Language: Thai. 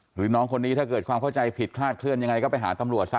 หรือน้องคนนี้ถ้าเกิดความเข้าใจผิดคลาดเคลื่อนยังไงก็ไปหาตำรวจซะ